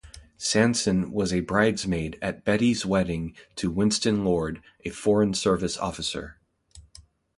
Sansan was a bridesmaid at Bette's wedding to Winston Lord, a Foreign Service Officer.